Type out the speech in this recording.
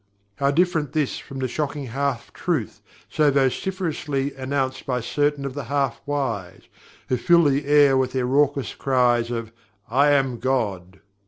How different this from the shocking half truth so vociferously announced by certain of the half wise, who fill the air with their raucous cries of: "I am God!"